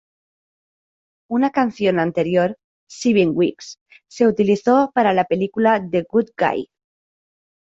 Una canción anterior, "Seven Weeks", se utilizó para la película The Good Guy.